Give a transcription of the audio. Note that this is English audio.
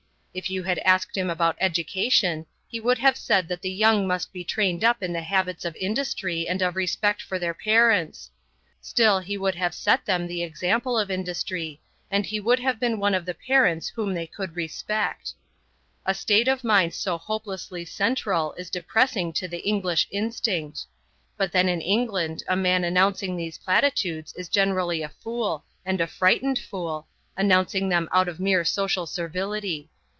If you had asked him about education, he would have said that the young must be trained up in habits of industry and of respect for their parents. Still he would have set them the example of industry, and he would have been one of the parents whom they could respect. A state of mind so hopelessly central is depressing to the English instinct. But then in England a man announcing these platitudes is generally a fool and a frightened fool, announcing them out of mere social servility.